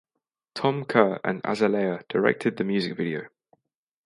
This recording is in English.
Thom Kerr and Azalea directed the music video.